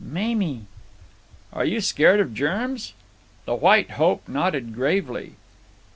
"Mamie." "Are you scared of germs?" The White Hope nodded gravely.